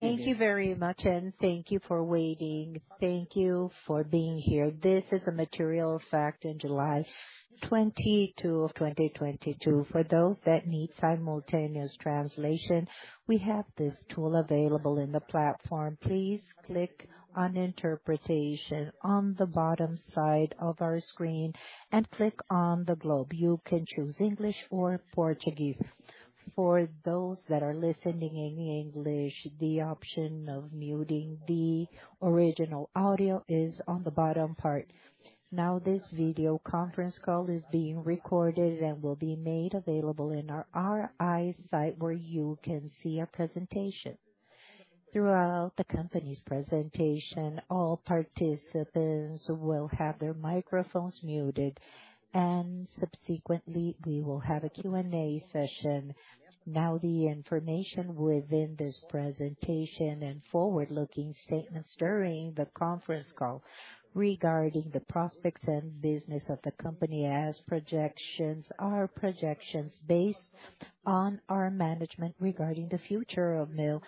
Thank you very much, and thank you for waiting. Thank you for being here. This is a material fact in July 22 of 2022. For those that need simultaneous translation, we have this tool available in the platform. Please click on interpretation on the bottom side of our screen and click on the globe. You can choose English or Portuguese. For those that are listening in English, the option of muting the original audio is on the bottom part. Now, this video conference call is being recorded and will be made available in our RI site where you can see our presentation. Throughout the company's presentation, all participants will have their microphones muted, and subsequently we will have a Q&A session. Now, the information within this presentation and forward-looking statements during the conference call regarding the prospects and business of the company as projections based on our management regarding the future of Mills.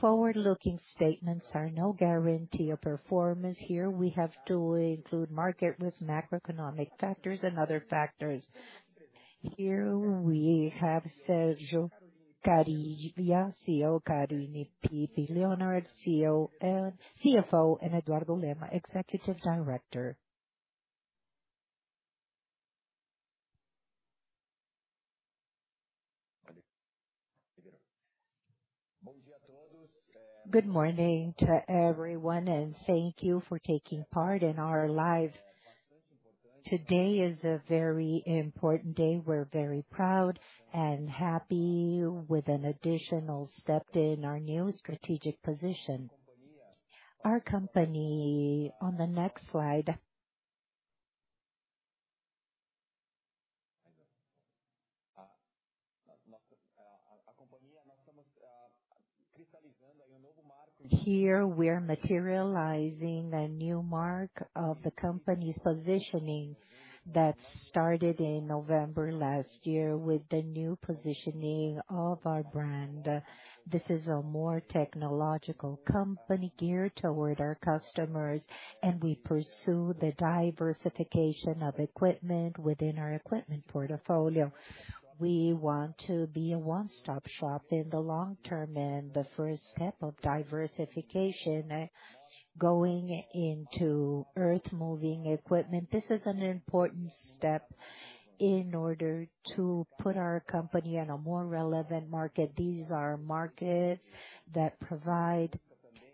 Forward-looking statements are no guarantee of performance here. We have to include market with macroeconomic factors and other factors. Here we have Sérgio Kariya, CEO, Caroline Pepe Leonard, CFO, and Eduardo Lema, Executive Director. Good morning to everyone, and thank you for taking part in our live. Today is a very important day. We're very proud and happy with an additional step in our new strategic position. Our company, on the next slide. Here we're materializing a new mark of the company's positioning that started in November last year with the new positioning of our brand. This is a more technological company geared toward our customers, and we pursue the diversification of equipment within our equipment portfolio. We want to be a one-stop shop in the long term and the first step of diversification going into earthmoving equipment. This is an important step in order to put our company in a more relevant market. These are markets that provide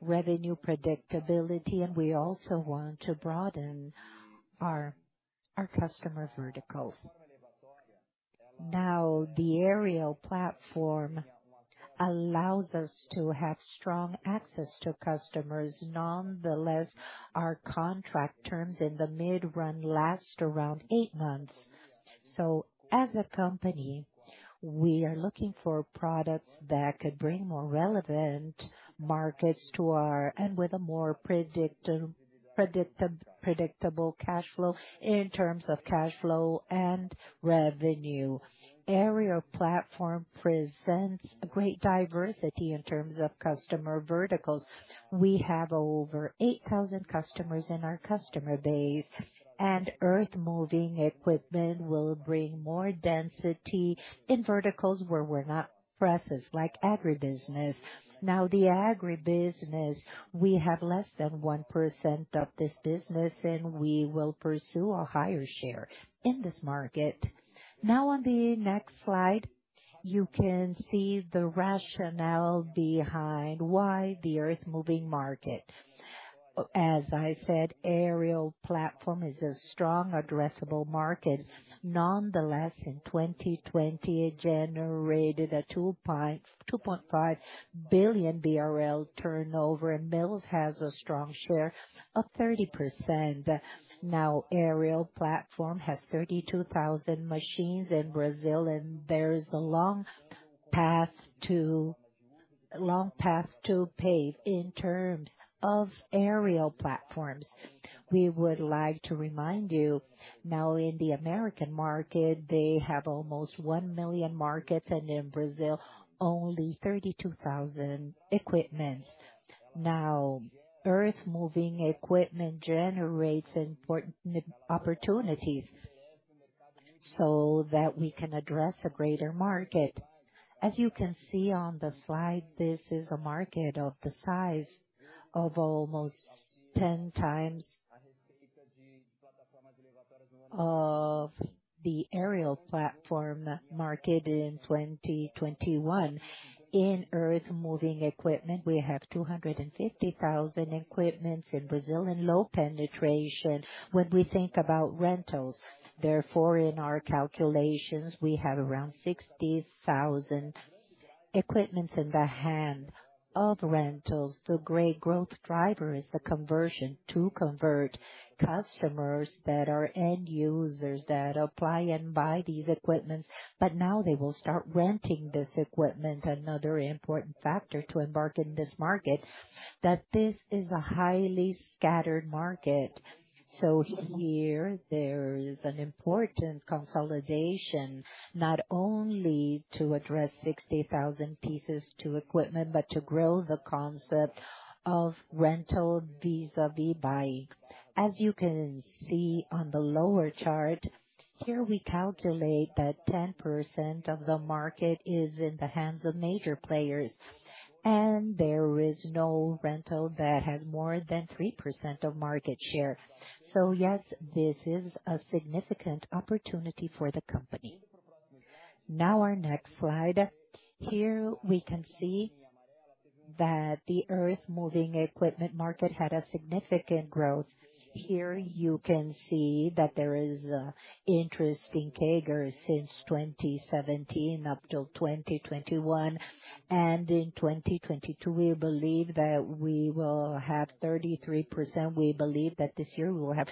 revenue predictability, and we also want to broaden our customer verticals. Now, the aerial platform allows us to have strong access to customers. Nonetheless, our contract terms in the mid-term last around eight months. As a company, we are looking for products that could bring more relevant markets to our and with a more predictable cash flow in terms of cash flow and revenue. Aerial platform presents a great diversity in terms of customer verticals. We have over 8,000 customers in our customer base, and earthmoving equipment will bring more density in verticals where we're not present, like agribusiness. The agribusiness, we have less than 1% of this business, and we will pursue a higher share in this market. On the next slide, you can see the rationale behind why the earthmoving market. As I said, aerial platform is a strong addressable market. Nonetheless, in 2020 it generated a 2.5 billion BRL turnover, and Mills has a strong share of 30%. Aerial platform has 32,000 machines in Brazil, and there is a long path to pave in terms of aerial platforms. We would like to remind you now in the American market they have almost 1 million machines, and in Brazil only 32,000 equipment. Now, earthmoving equipment generates important opportunities so that we can address a greater market. As you can see on the slide, this is a market of the size of almost ten times of the aerial platform market in 2021. In earthmoving equipment, we have 250,000 equipment in Brazil and low penetration when we think about rentals. Therefore, in our calculations, we have around 60,000 equipment in the hands of rentals. The great growth driver is the conversion to customers that are end users that own and buy these equipment, but now they will start renting this equipment. Another important factor to enter this market. That this is a highly scattered market. Here there is an important consolidation not only to address 60,000 pieces of equipment, but to grow the concept of rental vis-à-vis buying. As you can see on the lower chart, here we calculate that 10% of the market is in the hands of major players, and there is no rental that has more than 3% of market share. Yes, this is a significant opportunity for the company. Now our next slide. Here we can see that the earthmoving equipment market had a significant growth. Here you can see that there is interest in CAGR since 2017 up till 2021. In 2022, we believe that we will have 33%. We believe that this year we will have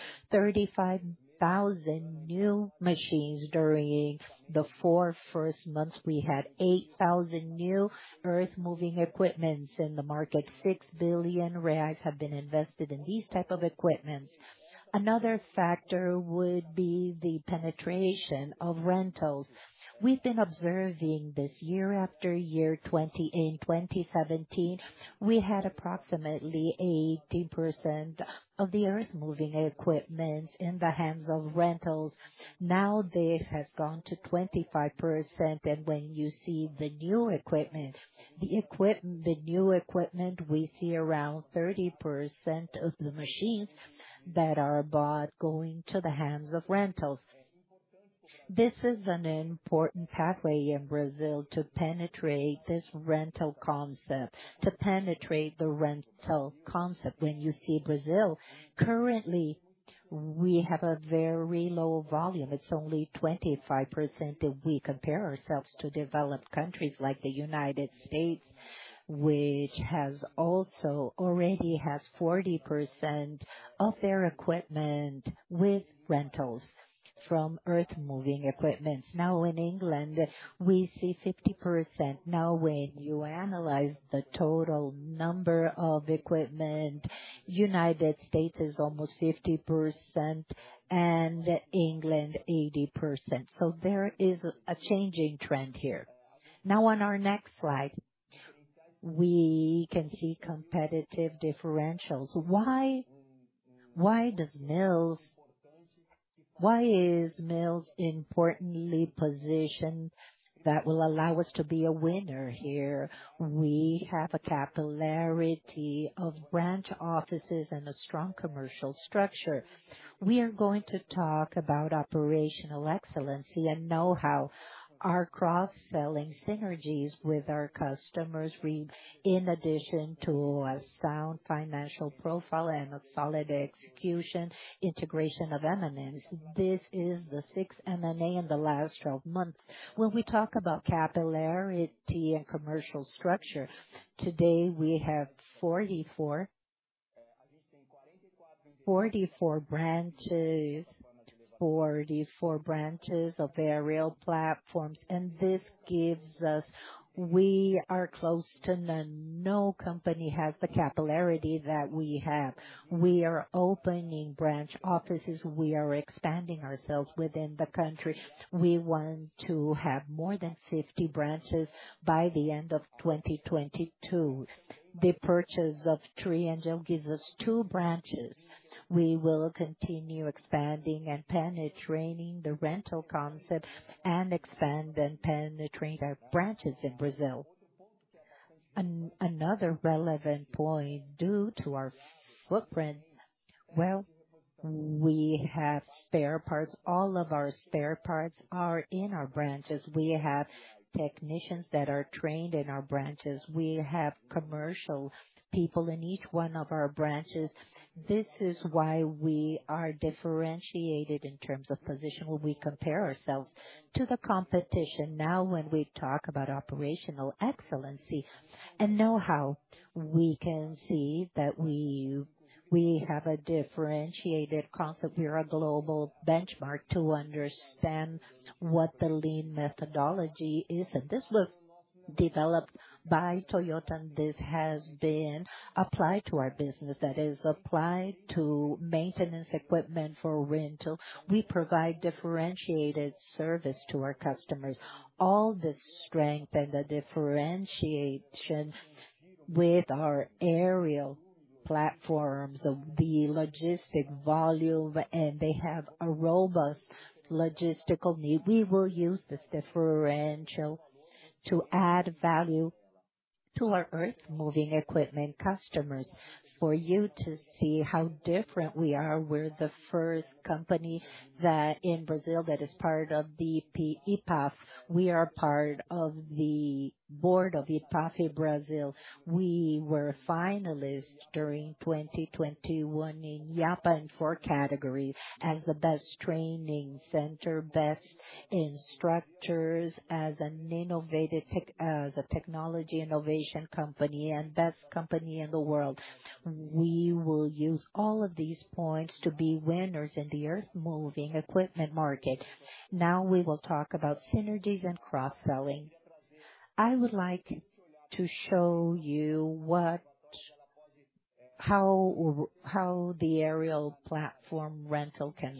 35,000 new machines. During the first four months, we had 8,000 new earthmoving equipment in the market. 6 billion reais have been invested in these type of equipment. Another factor would be the penetration of rentals. We've been observing this year after year. In 2017, we had approximately 18% of the earthmoving equipment in the hands of rentals. Now this has gone to 25%. When you see the new equipment, we see around 30% of the machines that are bought going to the hands of rentals. This is an important pathway in Brazil to penetrate this rental concept, to penetrate the rental concept. When you see Brazil, currently we have a very low volume. It's only 25% if we compare ourselves to developed countries like the United States, which has 40% of their equipment with rentals from earthmoving equipment. Now in England, we see 50%. Now, when you analyze the total number of equipment, United States is almost 50% and England 80%. There is a changing trend here. Now on our next slide, we can see competitive differentials. Why is Mills importantly positioned that will allow us to be a winner here? We have a capillarity of branch offices and a strong commercial structure. We are going to talk about operational excellence and know-how. Our cross-selling synergies with our customers in addition to a sound financial profile and a solid execution integration of M&As. This is the sixth M&A in the last 12 months. When we talk about capillarity and commercial structure, today we have 44 branches of aerial platforms. This gives us. We are second to none. No company has the capillarity that we have. We are opening branch offices. We are expanding ourselves within the country. We want to have more than 50 branches by the end of 2022. The purchase of Trieng gives us two branches. We will continue expanding and penetrating the rental concept and expand and penetrate our branches in Brazil. Another relevant point, due to our footprint, well, we have spare parts. All of our spare parts are in our branches. We have technicians that are trained in our branches. We have commercial people in each one of our branches. This is why we are differentiated in terms of position when we compare ourselves to the competition. Now, when we talk about operational excellence and know-how, we can see that we have a differentiated concept. We're a global benchmark to understand what the lean methodology is. This was developed by Toyota. This has been applied to our business. That is applied to maintenance equipment for rental. We provide differentiated service to our customers. All this strength and the differentiation with our aerial platforms of the logistic volume, and they have a robust logistical need. We will use this differential to add value to our earthmoving equipment customers. For you to see how different we are, we're the first company that in Brazil that is part of the IPAF. We are part of the board of IPAF Brazil. We were a finalist during 2021 in IAPA in four categories, as the best training center, best instructors, as a technology innovation company, and best company in the world. We will use all of these points to be winners in the earthmoving equipment market. Now we will talk about synergies and cross-selling. I would like to show you how the aerial platform rental can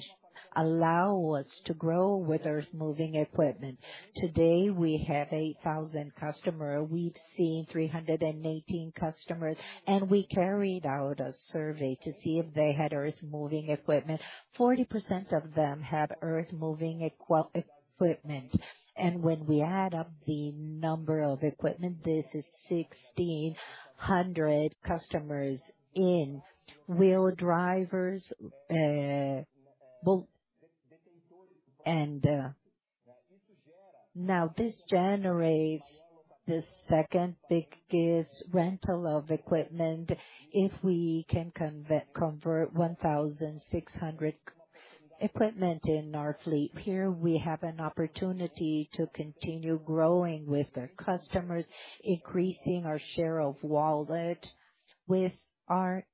allow us to grow with earthmoving equipment. Today, we have 8,000 customer. We've seen 318 customers, and we carried out a survey to see if they had earthmoving equipment. 40% of them have earthmoving equipment. When we add up the number of equipment, this is 1,600 wheel loaders, both. Now this generates the second biggest rental of equipment if we can convert 1,600 equipment in our fleet. Here we have an opportunity to continue growing with our customers, increasing our share of wallet with our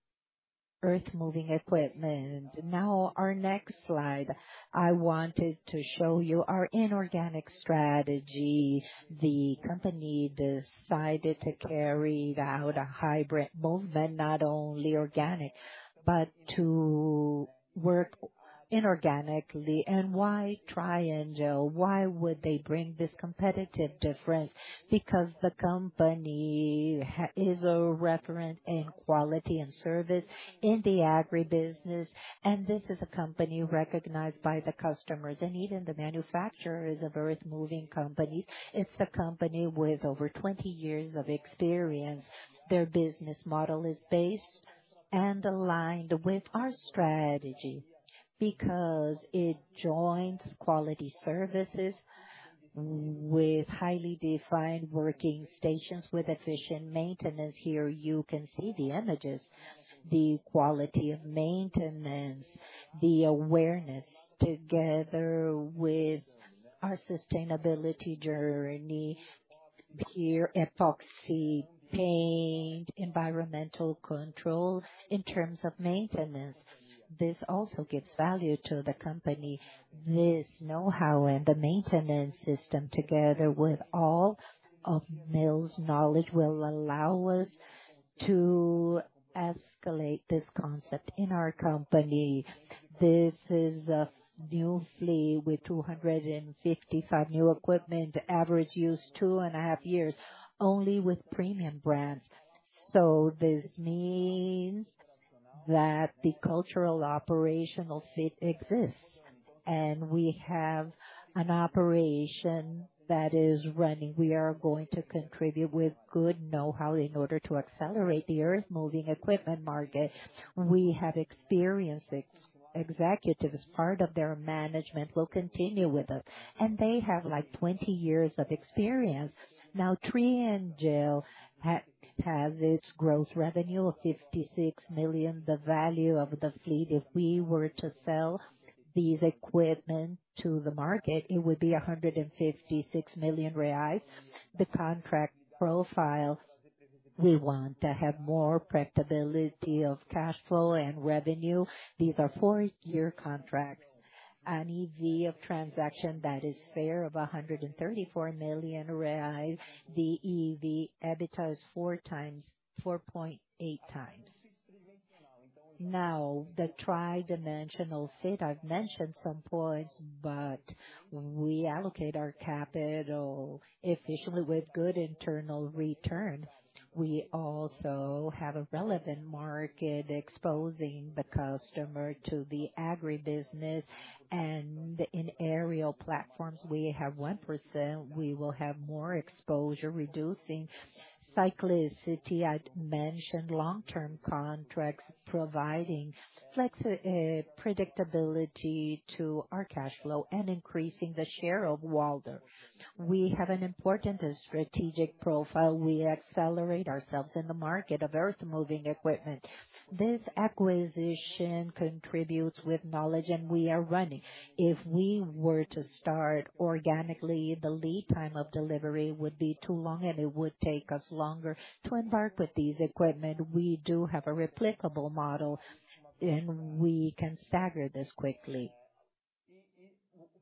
earthmoving equipment. Now our next slide, I wanted to show you our inorganic strategy. The company decided to carry out a hybrid movement, not only organic, but to work inorganically. Why Trieng? Why would they bring this competitive difference? Because the company is a referent in quality and service in the agribusiness, and this is a company recognized by the customers, and even the manufacturer is a very modern company. It's a company with over 20 years of experience. Their business model is based and aligned with our strategy because it joins quality services with highly defined working stations with efficient maintenance. Here you can see the images, the quality of maintenance, the awareness together with our sustainability journey. Here, epoxy paint, environmental control in terms of maintenance. This also gives value to the company. This know-how and the maintenance system, together with all of Mills' knowledge, will allow us to escalate this concept in our company. This is a new fleet with 255 new equipment, average use 2.5 years, only with premium brands. This means that the cultural operational fit exists. We have an operation that is running. We are going to contribute with good know-how in order to accelerate the earthmoving equipment market. We have experienced executives. Part of their management will continue with us, and they have, like, 20 years of experience. Now Trieng has its gross revenue of 56 million. The value of the fleet, if we were to sell these equipment to the market, it would be 156 million reais. The contract profile, we want to have more predictability of cash flow and revenue. These are four-year contracts. An EV of transaction that is fair of 134 million reais. The EV/EBITDA is 4.8 times. Now the tri-dimensional fit, I've mentioned some points, but we allocate our capital efficiently with good internal return. We also have a relevant market exposing the customer to the agribusiness. In aerial platforms, we have 1%. We will have more exposure, reducing cyclicity. I'd mentioned long-term contracts providing predictability to our cash flow and increasing the share of wallet. We have an important strategic profile. We accelerate ourselves in the market of earthmoving equipment. This acquisition contributes with knowledge, and we are running. If we were to start organically, the lead time of delivery would be too long, and it would take us longer to embark with these equipment. We do have a replicable model, and we can stagger this quickly.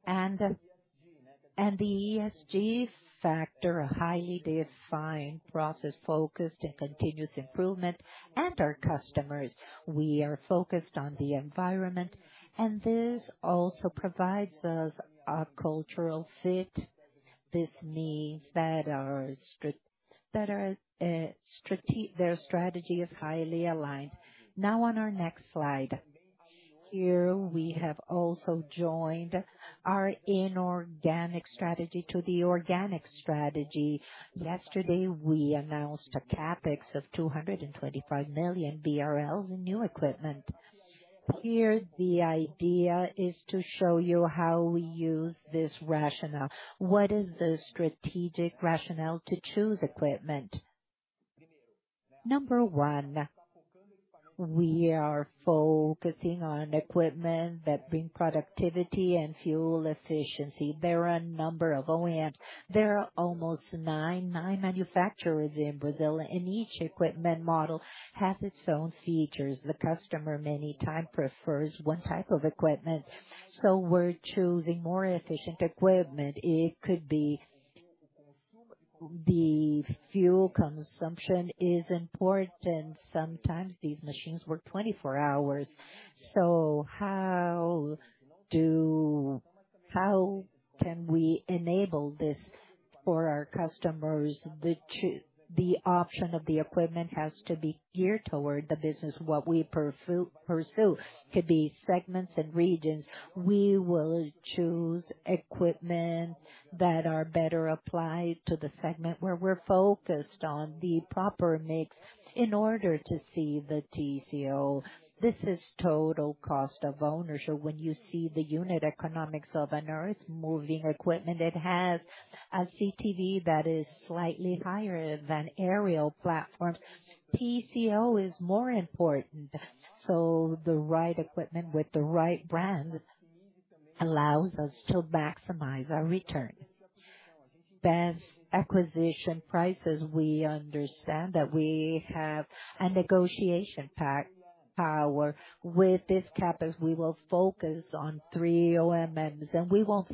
The ESG factor, a highly defined process focused on continuous improvement and our customers. We are focused on the environment, and this also provides us a cultural fit. This means that their strategy is highly aligned. Now on our next slide. Here we have also joined our inorganic strategy to the organic strategy. Yesterday, we announced a CapEx of 225 million BRL in new equipment. Here the idea is to show you how we use this rationale. What is the strategic rationale to choose equipment? Number one. We are focusing on equipment that bring productivity and fuel efficiency. There are a number of OEMs. There are almost nine manufacturers in Brazil, and each equipment model has its own features. The customer many times prefers one type of equipment, so we're choosing more efficient equipment. It could be. The fuel consumption is important. Sometimes these machines work 24 hours. How can we enable this for our customers? The option of the equipment has to be geared toward the business, what we pursue, could be segments and regions. We will choose equipment that are better applied to the segment where we're focused on the proper mix in order to see the TCO. This is total cost of ownership. When you see the unit economics of an earthmoving equipment, it has a CTV that is slightly higher than aerial platforms. TCO is more important, so the right equipment with the right brand allows us to maximize our return. Best acquisition prices, we understand that we have a negotiation power. With this CapEx, we will focus on three OEMs, and we won't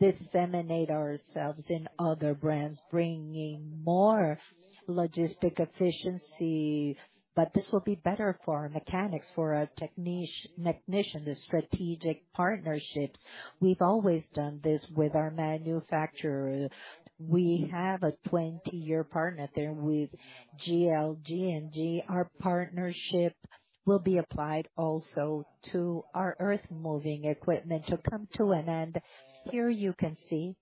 disseminate ourselves in other brands, bringing more logistic efficiency. This will be better for our mechanics, for our technicians. The strategic partnerships, we've always done this with our manufacturer. We have a 20-year partner there with JLG. Our partnership will be applied also to our earthmoving equipment. To come to an end, here you can see.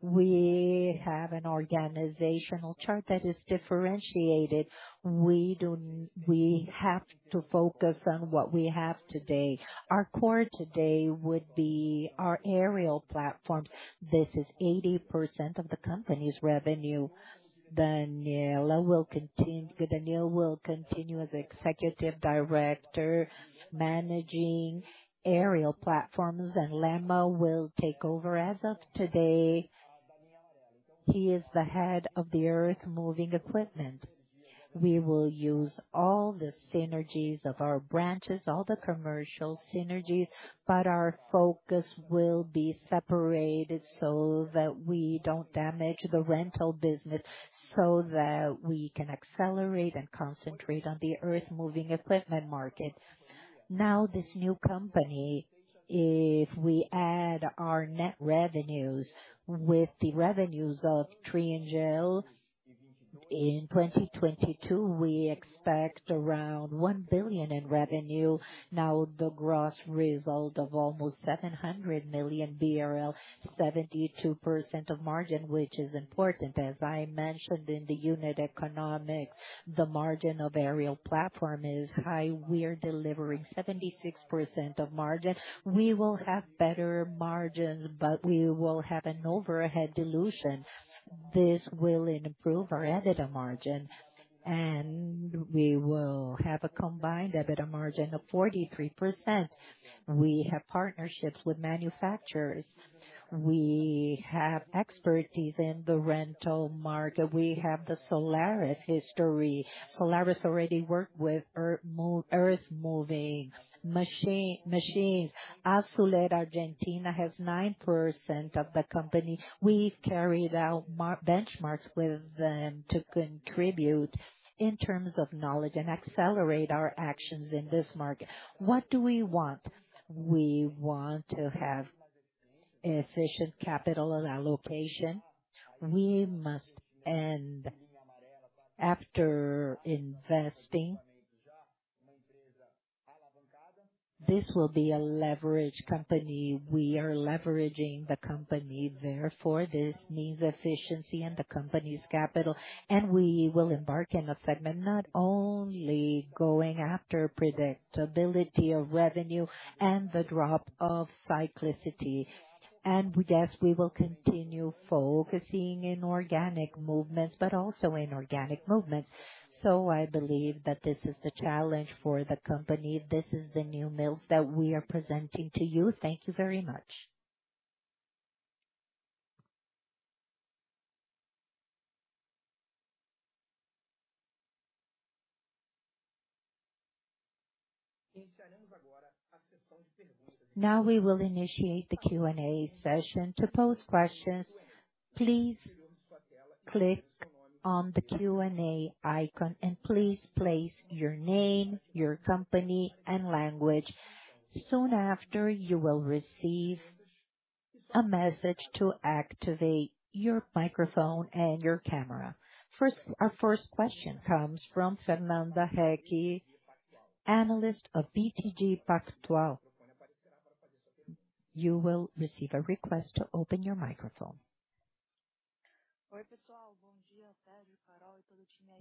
We have an organizational chart that is differentiated. We have to focus on what we have today. Our core today would be our aerial platforms. This is 80% of the company's revenue. Daniela will continue as Executive Director managing aerial platforms, and Lema will take over. As of today, he is the head of the earthmoving equipment. We will use all the synergies of our branches, all the commercial synergies, but our focus will be separated so that we don't damage the rental business so that we can accelerate and concentrate on the earthmoving equipment market. Now, this new company, if we add our net revenues with the revenues of Trieng, in 2022, we expect around 1 billion in revenue. Now, the gross result of almost 700 million BRL, 72% margin, which is important. As I mentioned in the unit economics, the margin of aerial platform is high. We're delivering 76% margin. We will have better margins, but we will have an overhead dilution. This will improve our EBITDA margin, and we will have a combined EBITDA margin of 43%. We have partnerships with manufacturers. We have expertise in the rental market. We have the Solaris history. Solaris already worked with earthmoving machines. Azul Argentina has 9% of the company. We've carried out benchmarks with them to contribute in terms of knowledge and accelerate our actions in this market. What do we want? We want to have efficient capital allocation. We must end after investing. This will be a leveraged company. We are leveraging the company. Therefore, this needs efficiency in the company's capital, and we will embark on a segment not only going after predictability of revenue and the drop in cyclicity. Yes, we will continue focusing on organic movements, but also inorganic movements. I believe that this is the challenge for the company. This is the new Mills that we are presenting to you. Thank you very much. Now we will initiate the Q&A session. To pose questions, please click on the Q&A icon and please place your name, your company, and language. Soon after, you will receive a message to activate your microphone and your camera. First, our first question comes from Fernanda Recchia, Analyst of BTG Pactual. You will receive a request to open your microphone.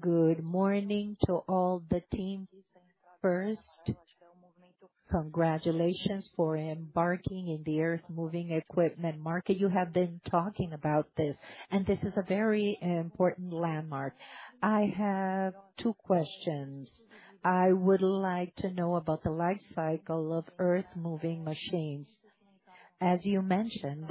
Good morning to all the team. First, congratulations for embarking in the earthmoving equipment market. You have been talking about this, and this is a very important landmark. I have two questions. I would like to know about the life cycle of earthmoving machines. As you mentioned,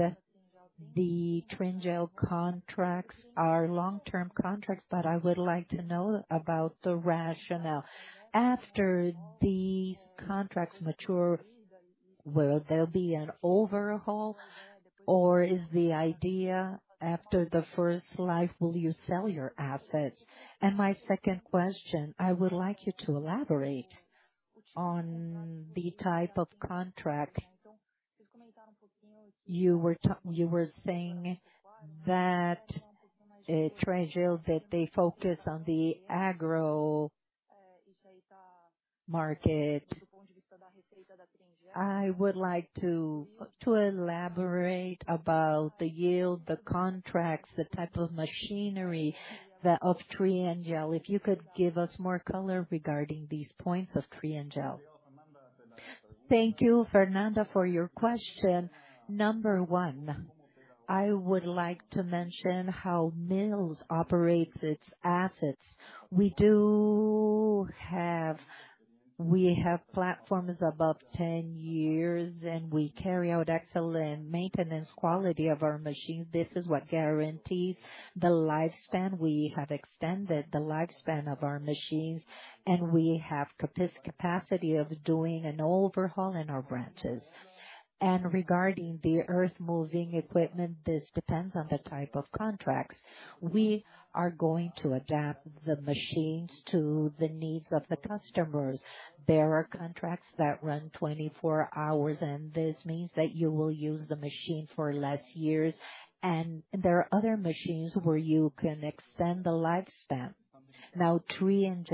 the Trieng contracts are long-term contracts, but I would like to know about the rationale. After the contracts mature, will there be an overhaul, or is the idea after the first life will you sell your assets? My second question, I would like you to elaborate on the type of contract. You were saying that Trieng, that they focus on the agro market. I would like to elaborate about the yield, the contracts, the type of machinery of Trieng. If you could give us more color regarding these points of Trieng. Thank you, Fernanda, for your question. Number one, I would like to mention how Mills operates its assets. We have platforms above 10 years, and we carry out excellent maintenance quality of our machines. This is what guarantees the lifespan. We have extended the lifespan of our machines, and we have capacity of doing an overhaul in our branches. Regarding the earthmoving equipment, this depends on the type of contracts. We are going to adapt the machines to the needs of the customers. There are contracts that run 24 hours, and this means that you will use the machine for less years. There are other machines where you can extend the lifespan. Now, Trieng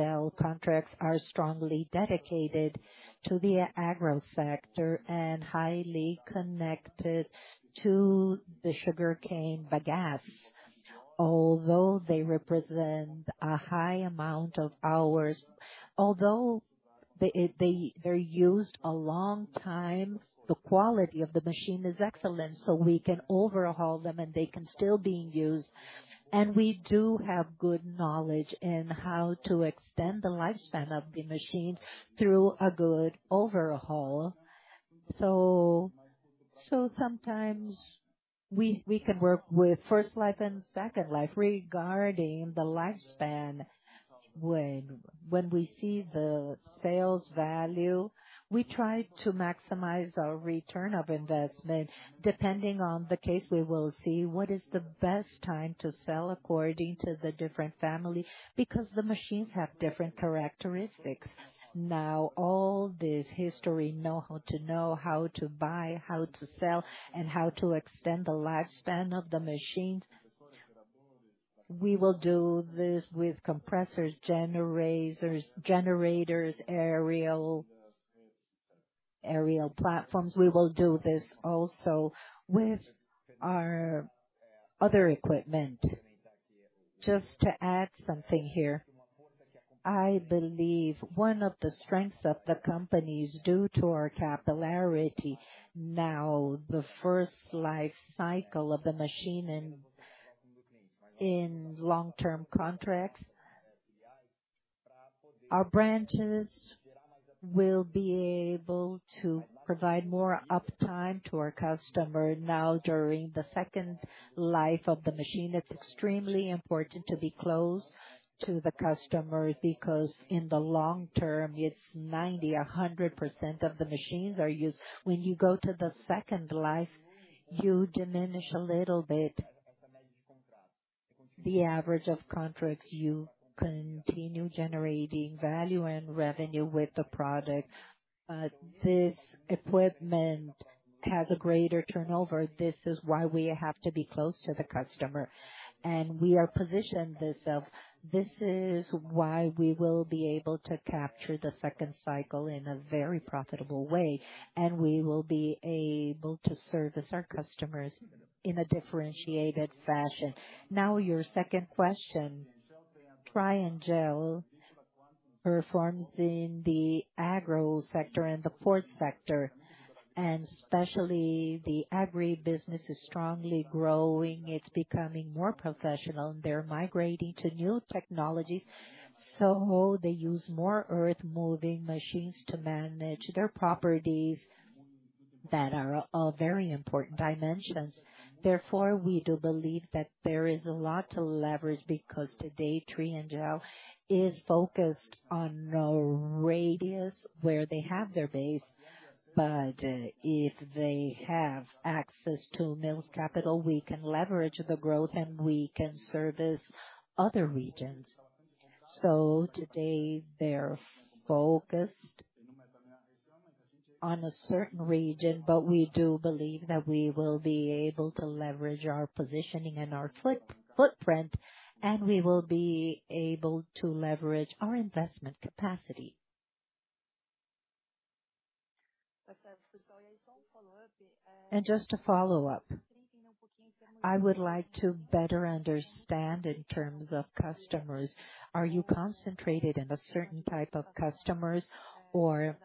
contracts are strongly dedicated to the agro- sector and highly connected to the sugarcane bagasse. Although they represent a high amount of hours, they're used a long time, the quality of the machine is excellent, so we can overhaul them, and they can still be used. We do have good knowledge in how to extend the lifespan of the machines through a good overhaul. Sometimes we can work with first life and second life. Regarding the lifespan, when we see the sales value, we try to maximize our return on investment. Depending on the case, we will see what is the best time to sell according to the different family, because the machines have different characteristics. Now, all this historical know-how to buy, how to sell, and how to extend the lifespan of the machines. We will do this with compressors, generators, aerial platforms. We will do this also with our other equipment. Just to add something here. I believe one of the strengths of the company is due to our capillarity. Now, the first life cycle of the machine in long-term contracts. Our branches will be able to provide more uptime to our customer. Now, during the second life of the machine, it's extremely important to be close to the customer because in the long term, it's 90-100% of the machines are used. When you go to the second life, you diminish a little bit the average of contracts. You continue generating value and revenue with the product. This equipment has a greater turnover. This is why we have to be close to the customer, and we are positioned this of. This is why we will be able to capture the second cycle in a very profitable way, and we will be able to service our customers in a differentiated fashion. Now, your second question. Trieng performs in the agro sector and the port sector, and especially the agri business is strongly growing. It's becoming more professional. They're migrating to new technologies. So they use more earthmoving machines to manage their properties that are of very important dimensions. Therefore, we do believe that there is a lot to leverage because today Trieng is focused on a radius where they have their base. But, if they have access to Mills' capital, we can leverage the growth, and we can service other regions. Today they're focused on a certain region, but we do believe that we will be able to leverage our positioning and our footprint, and we will be able to leverage our investment capacity. Just to follow up. I would like to better understand in terms of customers. Are you concentrated in a certain type of customers or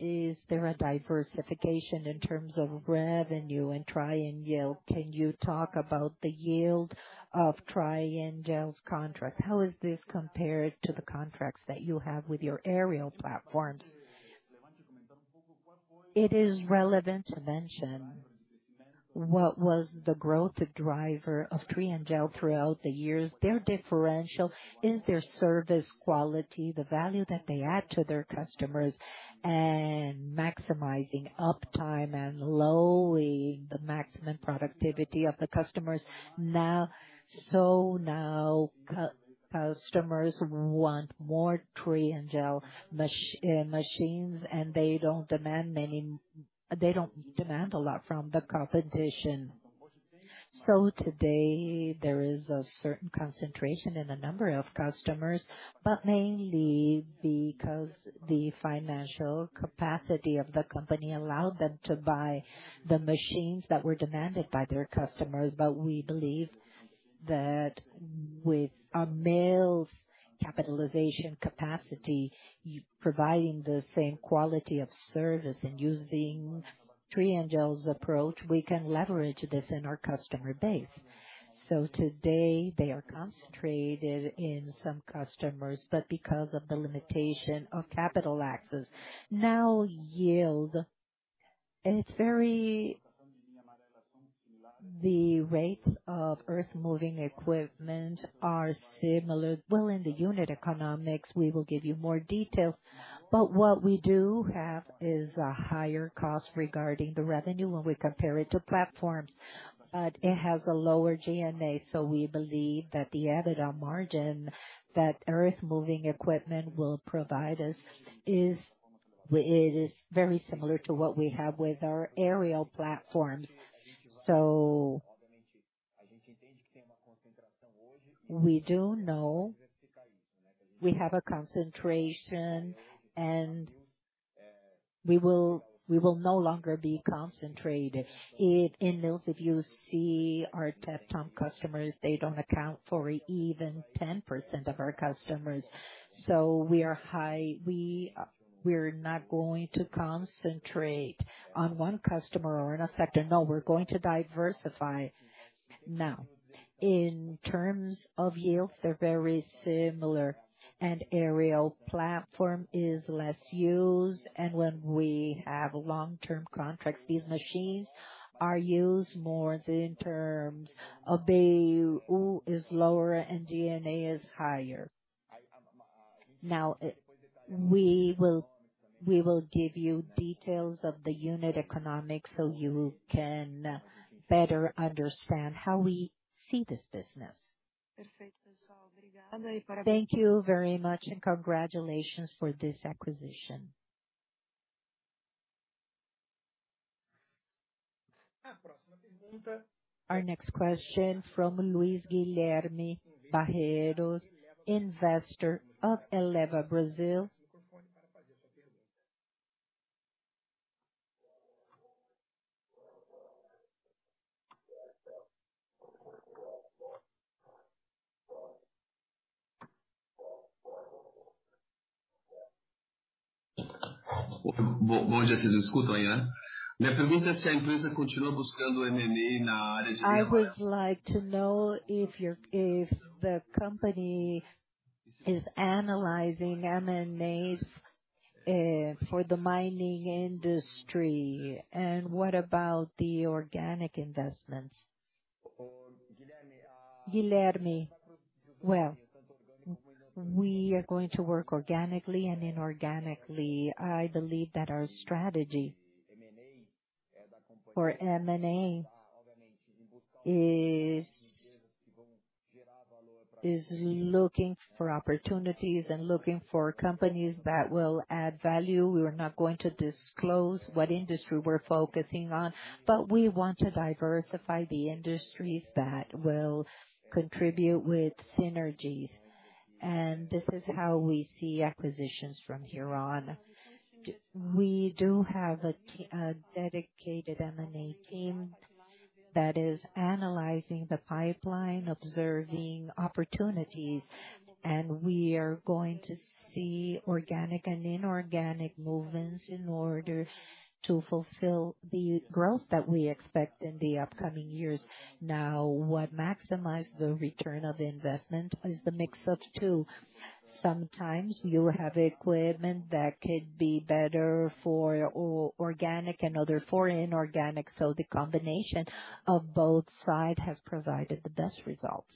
is there a diversification in terms of revenue and Trieng? Can you talk about the yield of Trieng's contracts? How is this compared to the contracts that you have with your aerial platforms? It is relevant to mention what was the growth driver of Trieng throughout the years. Their differential is their service quality, the value that they add to their customers, and maximizing uptime and lowering the maximum productivity of the customers. Customers want more Trieng machines, and they don't demand many. They don't demand a lot from the competition. Today, there is a certain concentration in the number of customers, but mainly because the financial capacity of the company allowed them to buy the machines that were demanded by their customers. We believe that with Mills's capitalization capacity, providing the same quality of service and using Triengl's approach, we can leverage this in our customer base. Today, they are concentrated in some customers, but because of the limitation of capital access. Now yield, it's very. The rates of earthmoving equipment are similar. Well, in the unit economics, we will give you more details, but what we do have is a higher cost regarding the revenue when we compare it to platforms. It has a lower GMA, so we believe that the EBITDA margin that earthmoving equipment will provide us is very similar to what we have with our aerial platforms. We do know we have a concentration, and we will no longer be concentrated. In Mills, if you see our top customers, they don't account for even 10% of our customers. We're not going to concentrate on one customer or in a sector. No, we're going to diversify. Now, in terms of yields, they're very similar, and aerial platform is less used. And when we have long-term contracts, these machines are used more in terms of AU is lower and GMA is higher. Now, we will give you details of the unit economics, so you can better understand how we see this business. Thank you very much, and congratulations for this acquisition. Our next question from Luís Guilherme Barreiros, investor of Eleva Brazil. I would like to know if the company is analyzing M&As for the mining industry, and what about the organic investments? Guilherme, well, we are going to work organically and inorganically. I believe that our strategy for M&A is looking for opportunities and looking for companies that will add value. We are not going to disclose what industry we're focusing on, but we want to diversify the industries that will contribute with synergies. This is how we see acquisitions from here on. We do have a dedicated M&A team that is analyzing the pipeline, observing opportunities, and we are going to see organic and inorganic movements in order to fulfill the growth that we expect in the upcoming years. What maximizes the return of investment is the mix of two. Sometimes you have equipment that could be better for organic and other for inorganic. The combination of both side has provided the best results.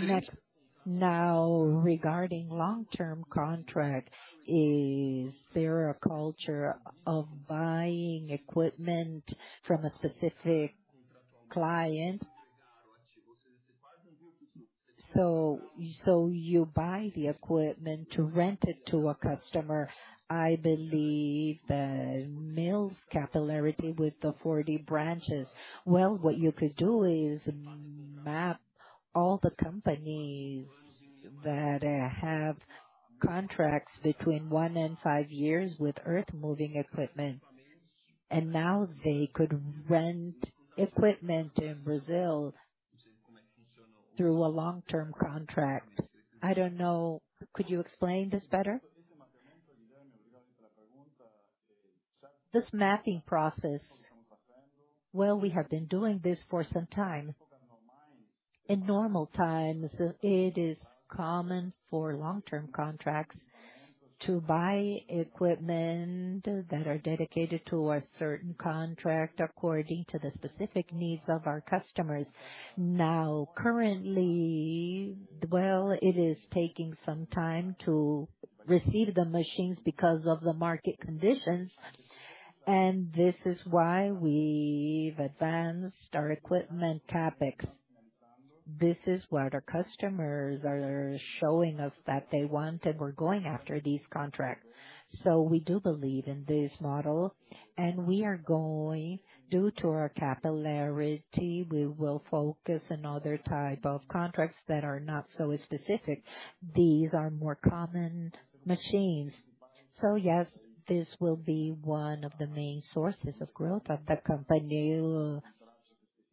Next. Now, regarding long-term contract, is there a culture of buying equipment from a specific client? You buy the equipment to rent it to a customer. I believe the Mills' capillarity with the 40 branches. Well, what you could do is map all the companies that have contracts between one and five years with earthmoving equipment, and now they could rent equipment in Brazil through a long-term contract. I don't know. Could you explain this better? This mapping process. Well, we have been doing this for some time. In normal times, it is common for long-term contracts to buy equipment that are dedicated to a certain contract according to the specific needs of our customers. Now, currently, well, it is taking some time to receive the machines because of the market conditions, and this is why we've advanced our equipment CapEx. This is what our customers are showing us that they want, and we're going after these contracts. We do believe in this model, and due to our capillarity, we will focus on other type of contracts that are not so specific. These are more common machines. Yes, this will be one of the main sources of growth of the company.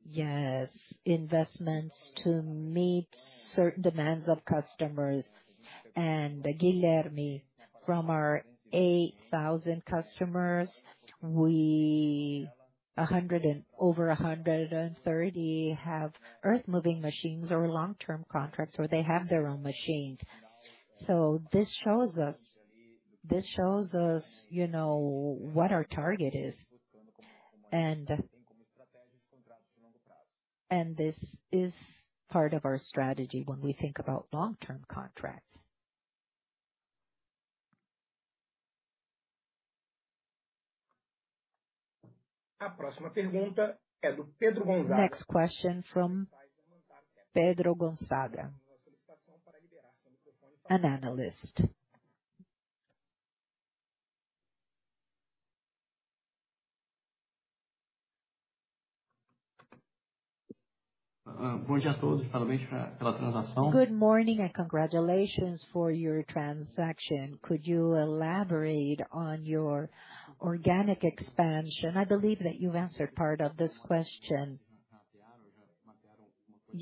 Yes, investments to meet certain demands of customers. Guilherme, from our 8,000 customers, over 130 have earthmoving machines or long-term contracts, or they have their own machines. This shows us, you know, what our target is. This is part of our strategy when we think about long-term contracts. Next question from Pedro Gonzaga. An analyst. Good morning, and congratulations for your transaction. Could you elaborate on your organic expansion? I believe that you've answered part of this question.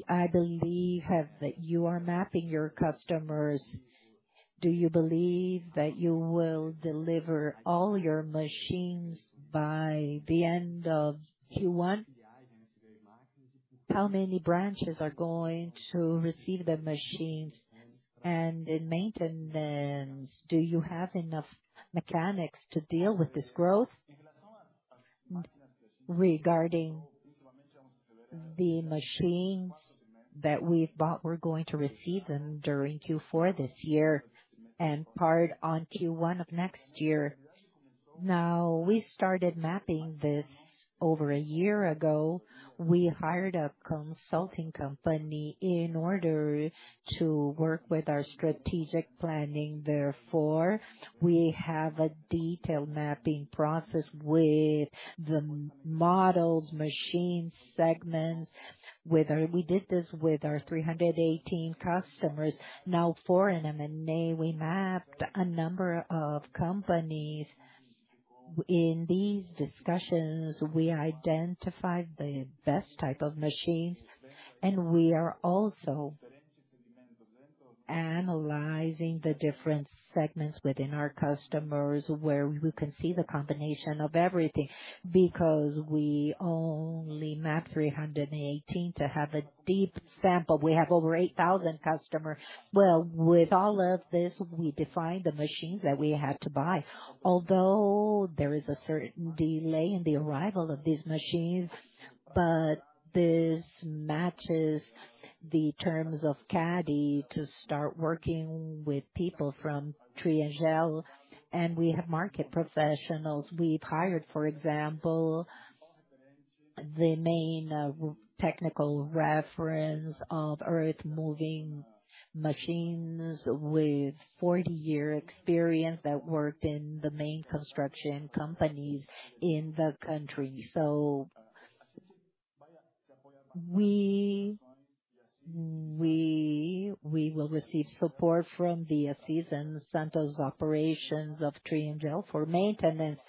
I believe that you are mapping your customers. Do you believe that you will deliver all your machines by the end of Q1? How many branches are going to receive the machines? And in maintenance, do you have enough mechanics to deal with this growth? Regarding the machines that we've bought, we're going to receive them during Q4 this year and part on Q1 of next year. Now, we started mapping this over a year ago. We hired a consulting company in order to work with our strategic planning. Therefore, we have a detailed mapping process with the models, machines, segments. We did this with our 318 customers. Now for an M&A, we mapped a number of companies. In these discussions, we identified the best type of machines, and we are also analyzing the different segments within our customers, where we can see the combination of everything, because we only mapped 318 to have a deep sample. We have over 8,000 customers. Well, with all of this, we defined the machines that we had to buy. Although there is a certain delay in the arrival of these machines, this matches the terms of Caria to start working with people from Trieng. We have market professionals. We've hired, for example, the main technical reference of earthmoving machines with 40-year experience that worked in the main construction companies in the country. We will receive support from the Assis and Santos operations of Trieng for maintenance.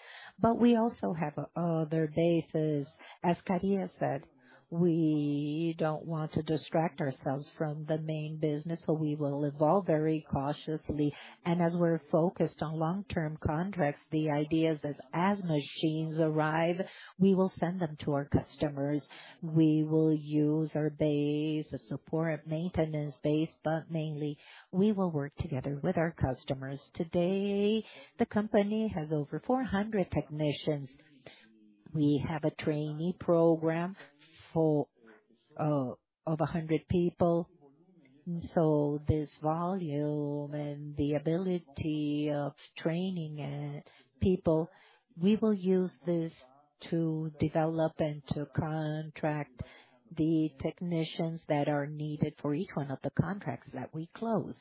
We also have other bases. As Carlos has said, we don't want to distract ourselves from the main business, so we will evolve very cautiously. As we're focused on long-term contracts, the idea is as machines arrive, we will send them to our customers. We will use our base, a support maintenance base, but mainly we will work together with our customers. Today, the company has over 400 technicians. We have a trainee program for of 100 people. This volume and the ability of training people, we will use this to develop and to contract the technicians that are needed for each one of the contracts that we close.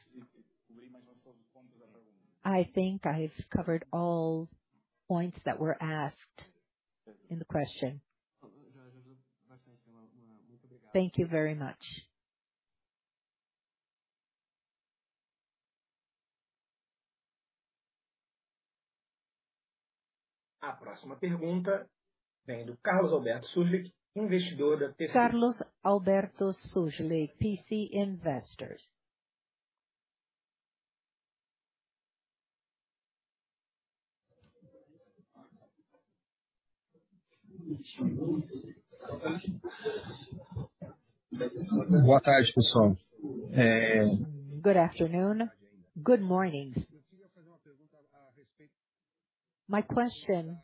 I think I've covered all points that were asked in the question. Thank you very much. Carlos Alberto Sujli, PCG Investments. Good afternoon. Good morning. My question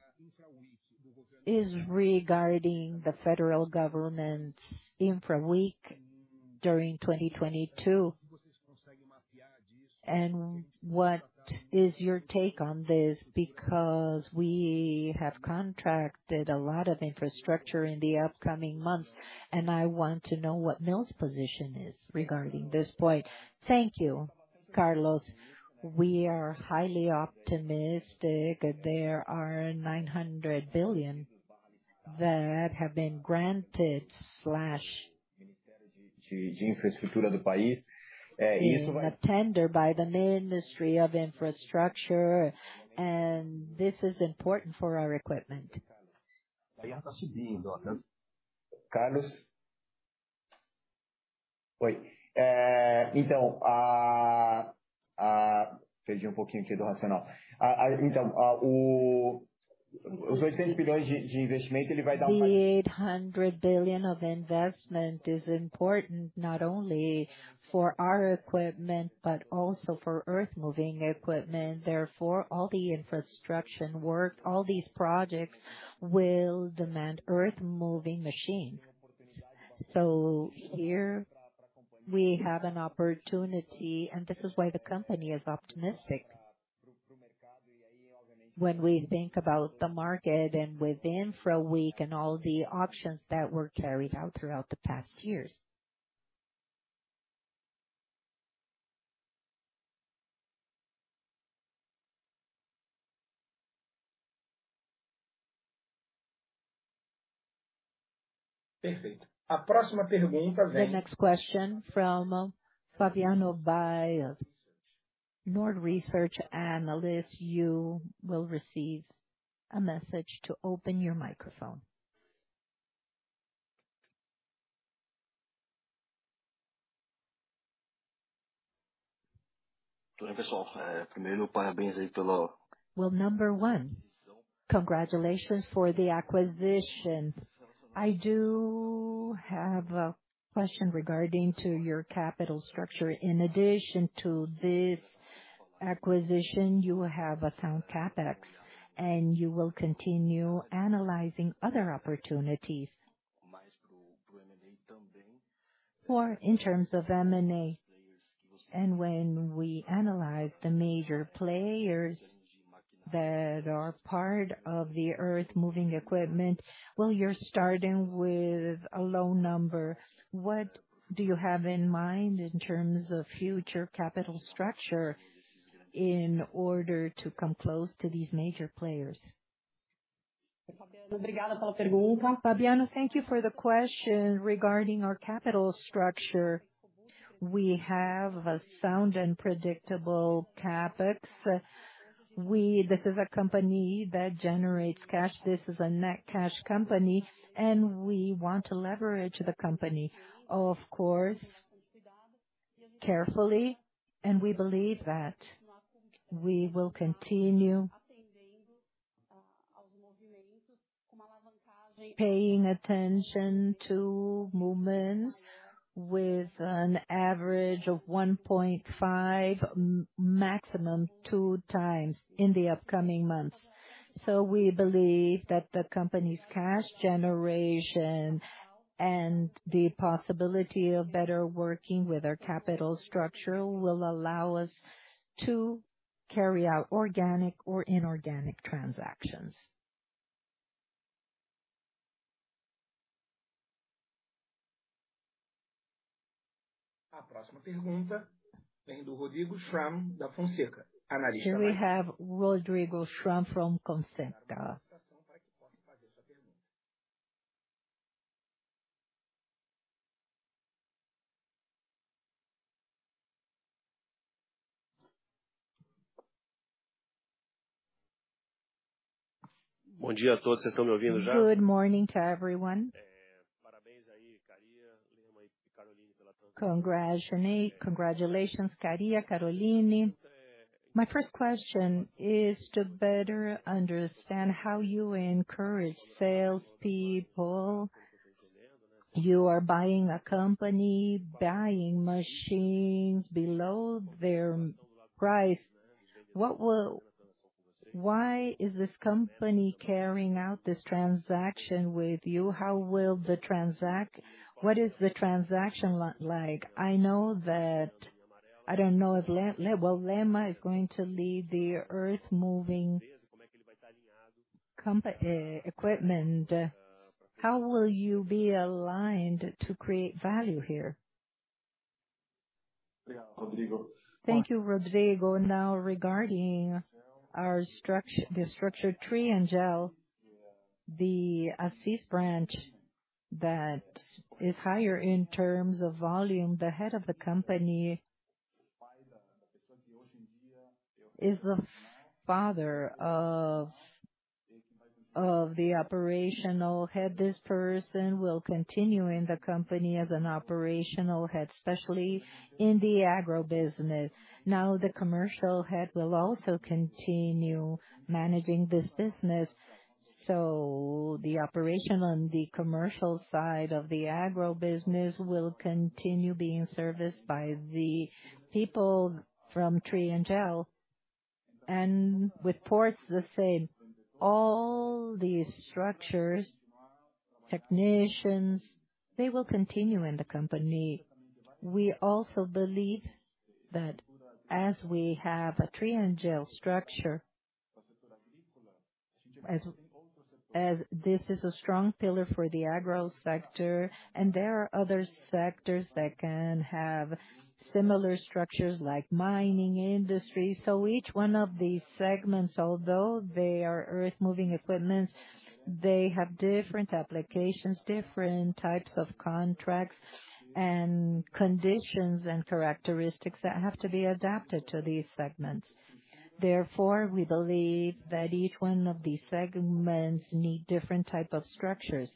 is regarding the federal government Infra Week during 2022, and what is your take on this? Because we have contracted a lot of infrastructure in the upcoming months, and I want to know what Mills' position is regarding this point. Thank you. Carlos, we are highly optimistic. There are 900 billion that have been granted or in a tender by the Ministry of Infrastructure, and this is important for our equipment. The 800 billion of investment is important not only for our equipment, but also for earthmoving equipment. Therefore, all the infrastructure work, all these projects will demand earthmoving machine. Here we have an opportunity, and this is why the company is optimistic when we think about the market and with Infra Week and all the auctions that were carried out throughout the past years. The next question from Fabiano Vaz, Nord Research Analyst. You will receive a message to open your microphone. Well, number one, congratulations for the acquisition. I do have a question regarding to your capital structure. In addition to this acquisition, you will have a sound CapEx, and you will continue analyzing other opportunities. In terms of M&A, and when we analyze the major players that are part of the earthmoving equipment, well, you're starting with a low number. What do you have in mind in terms of future capital structure in order to come close to these major players? Fabiano, thank you for the question. Regarding our capital structure, we have a sound and predictable CapEx. This is a company that generates cash. This is a net cash company, and we want to leverage the company. Of course, carefully, and we believe that we will continue paying attention to movements with an average of 1.5 maximum 2 times in the upcoming months. We believe that the company's cash generation and the possibility of better working with our capital structure will allow us to carry out organic or inorganic transactions. Here we have Rodrigo Schramm from Concentra. Good morning to everyone. Congratulations, Caria, Caroline. My first question is to better understand how you encourage salespeople. You are buying a company, buying machines below their price. Why is this company carrying out this transaction with you? What is the transaction like? I know that. I don't know if Lemar is going to lead the earthmoving equipment. How will you be aligned to create value here? Thank you, Rodrigo. Now, regarding our structure, the structured Trieng, the Assis branch that is higher in terms of volume. The head of the company is the father of the operational head. This person will continue in the company as an operational head, especially in the agro business. Now, the commercial head will also continue managing this business. The operation on the commercial side of the agro business will continue being serviced by the people from Trieng. With ports the same. All these structures, technicians, they will continue in the company. We also believe that as we have a Trieng structure, as this is a strong pillar for the agro sector, and there are other sectors that can have similar structures like mining industry. Each one of these segments, although they are earth-moving equipments, they have different applications, different types of contracts and conditions and characteristics that have to be adapted to these segments. Therefore, we believe that each one of these segments need different type of structures.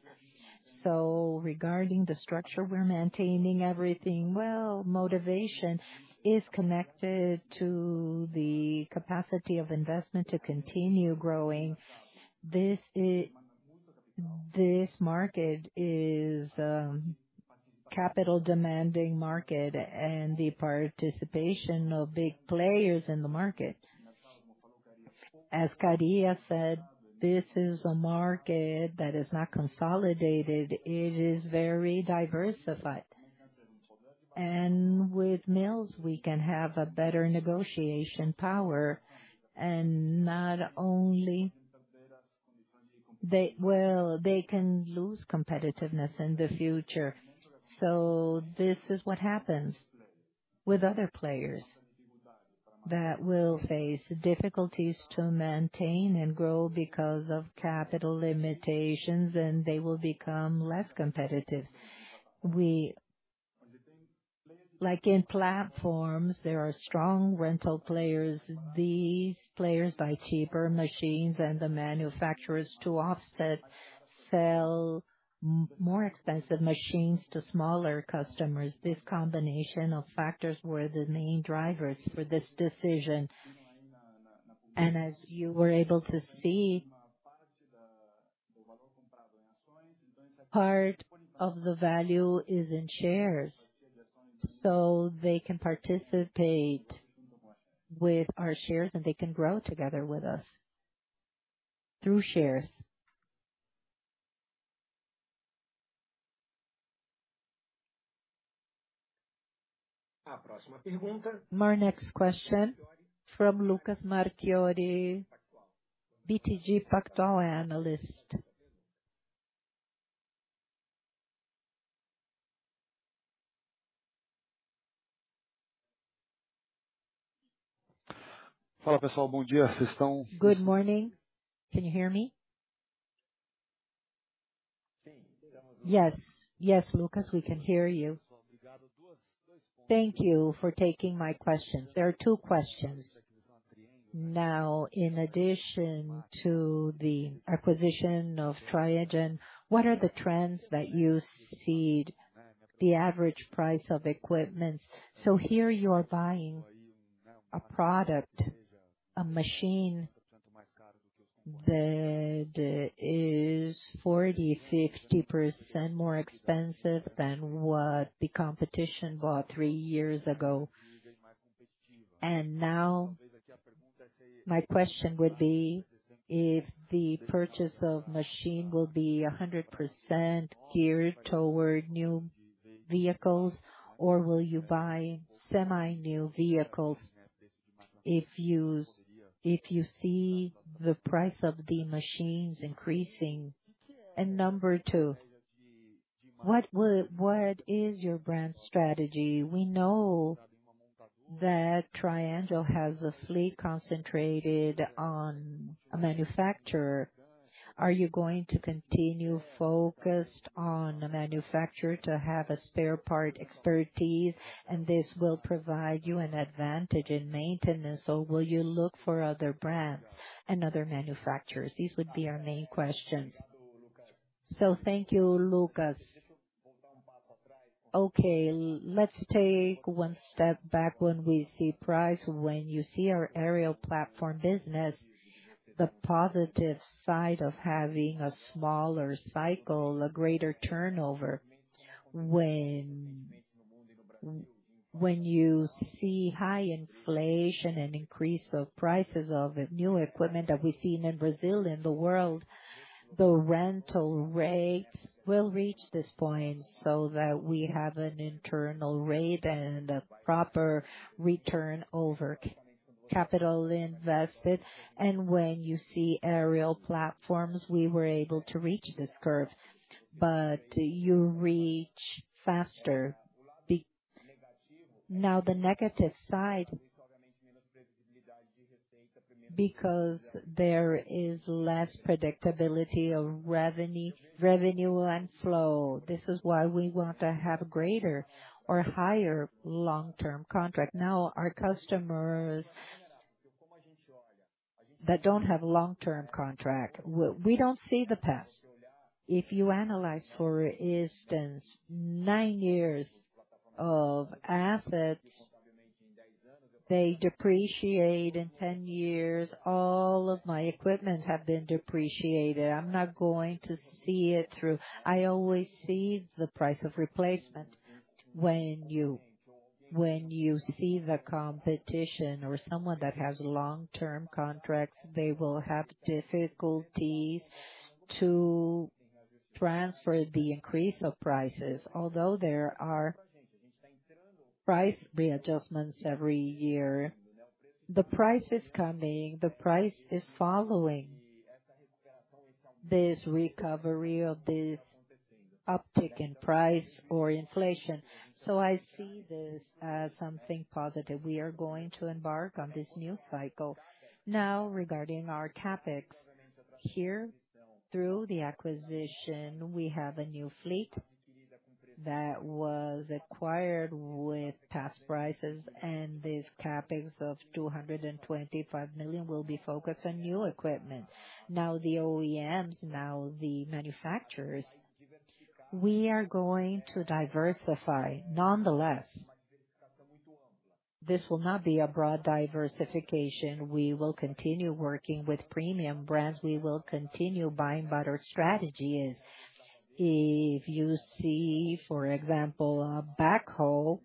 Regarding the structure, we're maintaining everything well. Motivation is connected to the capacity of investment to continue growing. This market is capital demanding market and the participation of big players in the market. As Caria said, this is a market that is not consolidated. It is very diversified. With Mills we can have a better negotiation power, and not only. They, well, they can lose competitiveness in the future. This is what happens with other players that will face difficulties to maintain and grow because of capital limitations, and they will become less competitive. We, like in platforms, there are strong rental players. These players buy cheaper machines and the manufacturers to offset sell more expensive machines to smaller customers. This combination of factors were the main drivers for this decision. As you were able to see, part of the value is in shares, so they can participate with our shares, and they can grow together with us through shares. Our next question from Lucas Marchiori, BTG Pactual analyst. Good morning. Can you hear me? Yes, yes, Lucas, we can hear you. Thank you for taking my questions. There are two questions. Now, in addition to the acquisition of Trieng, what are the trends that you see the average price of equipment? Here you're buying a product, a machine that is 40, 50% more expensive than what the competition bought three years ago. Now my question would be if the purchase of machine will be 100% geared toward new vehicles or will you buy semi-new vehicles if you, if you see the price of the machines increasing. Number two, what is your brand strategy? We know that Trieng has a fleet concentrated on a manufacturer. Are you going to continue focused on the manufacturer to have a spare part expertise, and this will provide you an advantage in maintenance, or will you look for other brands and other manufacturers? These would be our main questions. Thank you, Lucas. Okay, let's take one step back. When we see price, you see our aerial platform business, the positive side of having a smaller cycle, a greater turnover. When you see high inflation and increase of prices of new equipment that we've seen in Brazil, in the world. The rental rates will reach this point so that we have an internal rate and a proper return over capital invested. When you see aerial platforms, we were able to reach this curve, but you reach faster. Now the negative side, because there is less predictability of revenue and flow. This is why we want to have greater or higher long-term contract. Now our customers that don't have long-term contract, we don't see the past. If you analyze, for instance, nine years of assets, they depreciate. In 10 years, all of my equipment have been depreciated. I'm not going to see it through. I always see the price of replacement. When you see the competition or someone that has long-term contracts, they will have difficulties to transfer the increase of prices. Although there are price readjustments every year, the price is coming, the price is following this recovery of this uptick in price or inflation. I see this as something positive. We are going to embark on this new cycle. Now, regarding our CapEx. Here, through the acquisition, we have a new fleet that was acquired with past prices, and this CapEx of 225 million will be focused on new equipment. Now, the OEMs, now the manufacturers, we are going to diversify. Nonetheless, this will not be a broad diversification. We will continue working with premium brands. We will continue buying, but our strategy is, if you see, for example, a backhoe,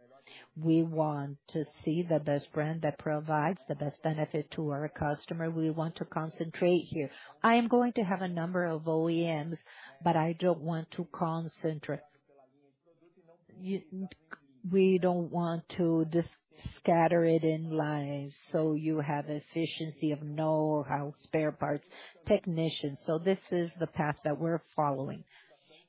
we want to see the best brand that provides the best benefit to our customer. We want to concentrate here. I am going to have a number of OEMs, but I don't want to concentrate. We don't want to disperse it in lines, so you have efficiency of know-how, spare parts, technicians. This is the path that we're following.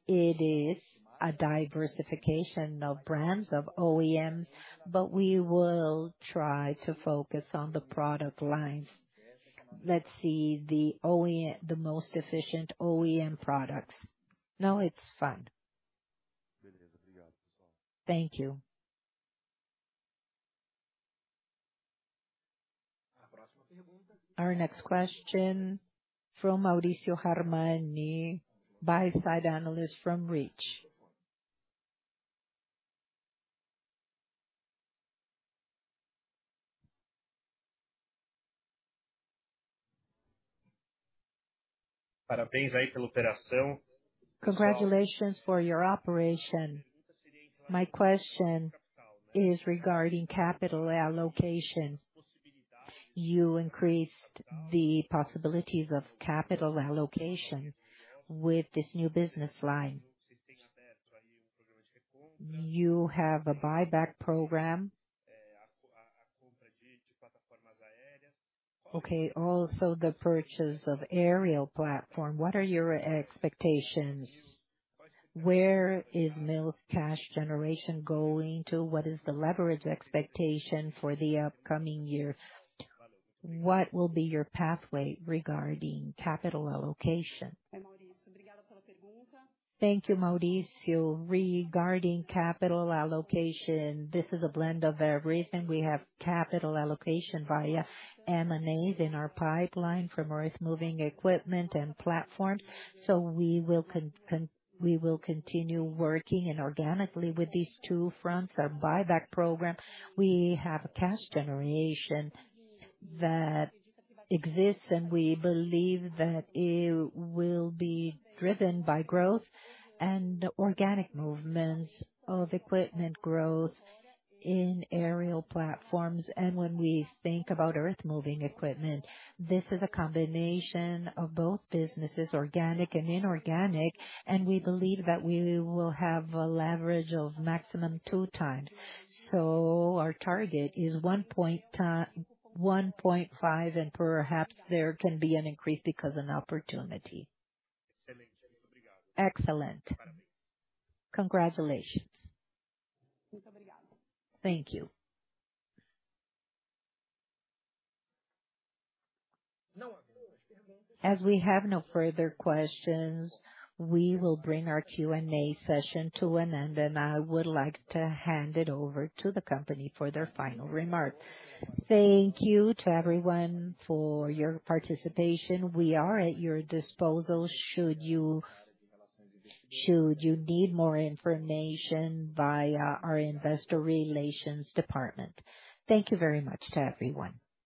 It is a diversification of brands, of OEMs, but we will try to focus on the product lines. Let's see the most efficient OEM products. No, it's fine. Thank you. Our next question from Maurício Nardini, buy-side analyst from Reach. Congratulations for your operation. My question is regarding capital allocation. You increased the possibilities of capital allocation with this new business line. You have a buyback program. Okay. Also, the purchase of aerial platform. What are your expectations? Where is Mills' cash generation going to? What is the leverage expectation for the upcoming year? What will be your pathway regarding capital allocation? Thank you, Mauricio. Regarding capital allocation, this is a blend of everything. We have capital allocation via M&As in our pipeline from earthmoving equipment and platforms. We will continue working inorganically with these two fronts, our buyback program. We have a cash generation that exists, and we believe that it will be driven by growth and organic movements of equipment growth in aerial platforms. When we think about earthmoving equipment, this is a combination of both businesses, organic and inorganic, and we believe that we will have a leverage of maximum 2x. Our target is 1.5, and perhaps there can be an increase because of an opportunity. Excellent. Congratulations. Thank you. As we have no further questions, we will bring our Q&A session to an end, and I would like to hand it over to the company for their final remarks. Thank you to everyone for your participation. We are at your disposal should you need more information via our investor relations department. Thank you very much to everyone.